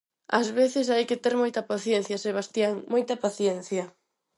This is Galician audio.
_Ás veces hai que ter moita paciencia, Sebastián, moita paciencia.